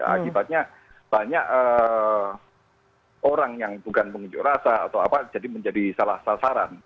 akibatnya banyak orang yang bukan pengunjuk rasa atau apa jadi menjadi salah sasaran